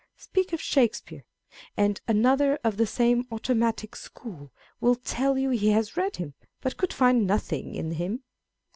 Speak of Shakespeare, and another of the same automci^", school will tell you he has read him, but could find n\ .iiing in him.